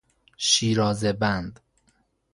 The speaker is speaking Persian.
شیرازه بند